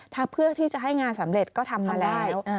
ถ้าเพื่อที่จะให้งานสำเร็จก็ทำมาได้